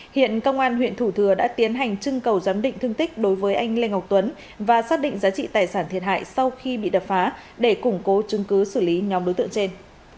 hiện công an huyện thủ thừa đã tiến hành trưng cầu giám định thương tích đối với anh lê ngọc tuấn và xác định giá trị tài sản thiệt hại sau khi bị đập phá để củng cố chứng cứ xử lý nhóm đối tượng trên